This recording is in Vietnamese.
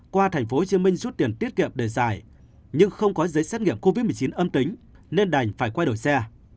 qua tp hcm rút tiền tiết kiệm để giải nhưng không có giấy xét nghiệm covid một mươi chín âm tính nên đành phải quay đổi xe